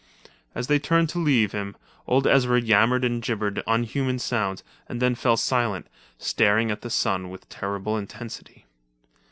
As they turned to leave him, old Ezra yammered and gibbered unhuman sounds and then fell silent, staring at the sun with terrible intensity.